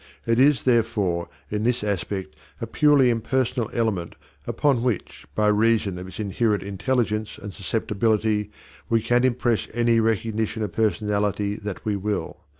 It is, therefore, in this aspect a purely impersonal element upon which, by reason of its inherent intelligence and susceptibility, we can impress any recognition of personality that we will.